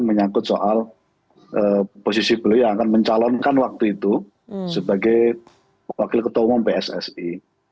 menyangkut soal posisi beliau yang akan mencalonkan waktu itu sebagai wakil ketua umum pssi